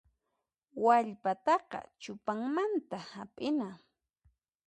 Wallpataqa chupanmanta hap'ina.